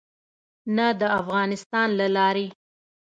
نه د افغانستان له لارې.